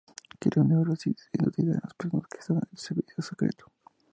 Crea una neurosis inducida en las personas que están en el servicio secreto.